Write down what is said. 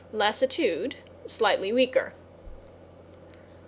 =LASSITUDE= Slightly weaker.